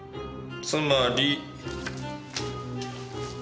つまり。